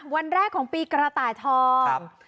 วันแรกของปีกระต่ายทอง